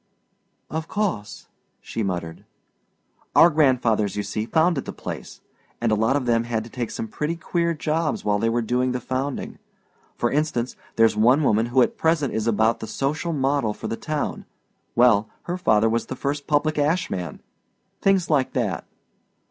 "Of course," she murmured. "Our grandfathers, you see, founded the place, and a lot of them had to take some pretty queer jobs while they were doing the founding. For instance there's one woman who at present is about the social model for the town; well, her father was the first public ash man things like that."